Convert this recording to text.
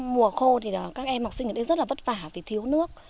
mùa khô thì các em học sinh ở đây rất là vất vả vì thiếu nước